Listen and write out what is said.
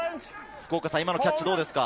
今のキャッチ、どうですか？